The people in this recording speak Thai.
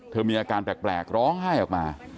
มีอาการแปลกร้องไห้ออกมา